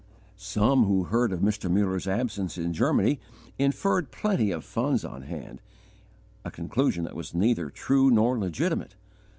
Some who heard of Mr. Muller's absence in Germany inferred plenty of funds on hand a conclusion that was neither true nor legitimate.